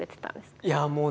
いやもうね